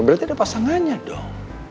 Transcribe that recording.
berarti ada pasangannya dong